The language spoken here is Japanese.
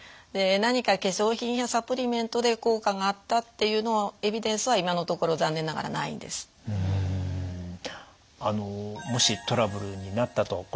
で何か化粧品やサプリメントで効果があったっていうエビデンスは今のところ残念ながらないんです。あのもしトラブルになったと。